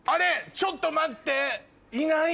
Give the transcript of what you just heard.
ちょっと待って。